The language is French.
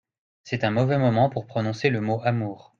C'est un mauvais moment pour prononcer le mot amour.